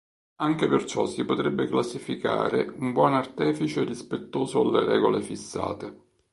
Anche per ciò si potrebbe classificare un buon artefice rispettoso alle regole fissate.